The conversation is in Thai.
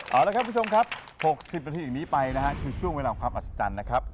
เอาละครับคุณผู้ชมครับ๖๐นาทีอย่างนี้ไปนะฮะคือช่วงเวลาของความอัศจรรย์นะครับ